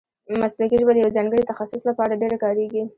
مسلکي ژبه د یوه ځانګړي تخصص له پاره ډېره کاریږي.